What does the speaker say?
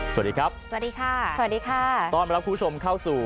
สวัสดีครับสวัสดีค่ะสวัสดีค่ะต้อนรับคุณผู้ชมเข้าสู่